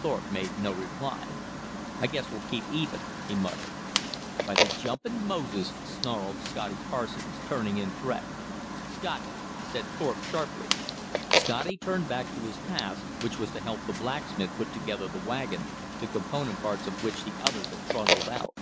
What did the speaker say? Thorpe made no reply. "I guess we'll keep even," he muttered. "By the jumping Moses," snarled Scotty Parsons turning in threat. "Scotty!" said Thorpe sharply. Scotty turned back to his task, which was to help the blacksmith put together the wagon, the component parts of which the others had trundled out.